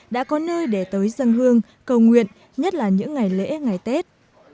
đã có nơi để tới dân hương cầu nguyện nhất là những ngày lễ ngày tết